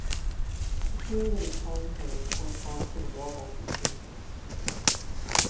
The period of this sine curve corresponds to the wobble frequency.